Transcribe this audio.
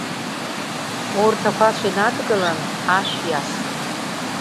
Урҭ ақәацә инадгылан, ашә иаст.